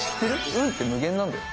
運って無限なんだよ。